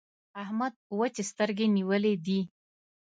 احمد وچې سترګې نيولې دي.